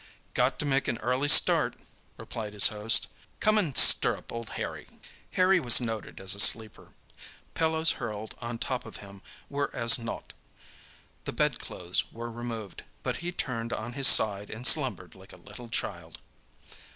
"Got to make an early start," replied his host. "Come and stir up old Harry." Harry was noted as a sleeper. Pillows hurled on top of him were as nought. The bedclothes were removed, but he turned on his side and slumbered like a little child.